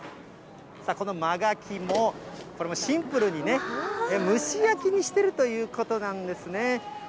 さあ、このマガキも、これもシンプルにね、蒸し焼きにしてるということなんですね。